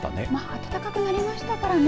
暖かくなりましたからね。